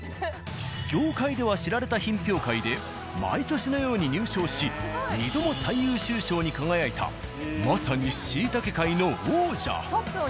業界では知られた品評会で毎年のように入賞し２度も最優秀賞に輝いたまさにシイタケ界の王者。